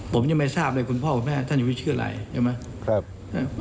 ผมยังไม่ทราบเลยคุณพ่อคุณแม่ท่านอยู่ที่ชื่ออะไรใช่ไหม